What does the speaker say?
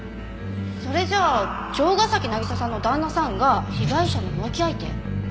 それじゃあ城ヶ崎渚さんの旦那さんが被害者の浮気相手？